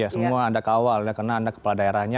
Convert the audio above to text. semua anda kawal ya karena anda kepala daerahnya